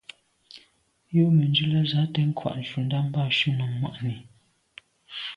Jə̂ mə̀ndzwí lá zǎ tɛ̌n kghwâ’ ncùndá bâ shúnɔ̀m mwà’nì.